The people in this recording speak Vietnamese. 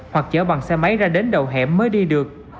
hoặc chở bằng xe máy ra đến đầu hẻm mới đi được